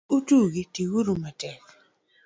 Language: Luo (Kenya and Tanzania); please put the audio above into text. Kik utugi, ti uru matek.